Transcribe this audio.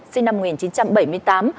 sinh năm một nghìn chín trăm bảy mươi tám